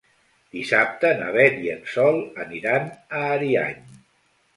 Dissabte na Beth i en Sol aniran a Ariany.